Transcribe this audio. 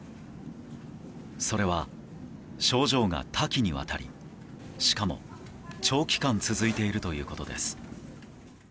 それは症状が多岐にわたりしかも、長期間続いているということです。